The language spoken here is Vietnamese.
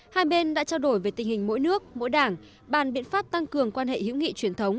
hai bên đã trao đổi về tình hình mỗi nước mỗi đảng bàn biện pháp tăng cường quan hệ hữu nghị truyền thống